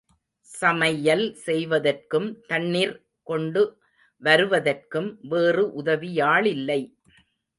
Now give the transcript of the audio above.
சமையல் செய்வதற்கும், தண்ணிர் கொண்டு வருவதற்கும் வேறு உதவியாளில்லை.